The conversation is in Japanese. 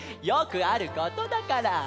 よくあることだから！